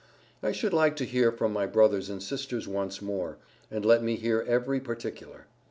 I should like to hear from my brothers and sisters once more, and let me hear every particular.